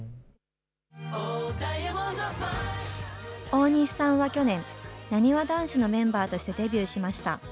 大西さんは去年、なにわ男子のメンバーとしてデビューしました。